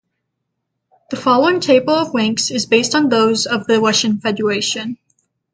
The following table of Ranks is based on those of the Russian Federation.